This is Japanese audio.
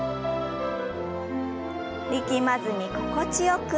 力まずに心地よく。